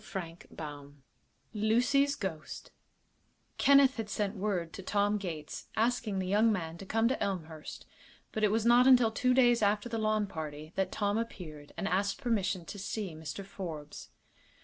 CHAPTER XIV LUCY'S GHOST Kenneth had sent word to Tom Gates, asking the young man to come to Elmhurst, but it was not until two days after the lawn party that Tom appeared and asked permission to see Mr. Forbes.